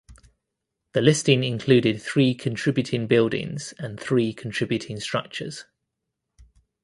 The listing included three contributing buildings and three contributing structures.